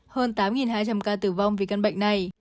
hơn tám hai trăm linh ca tử vong vì căn bệnh này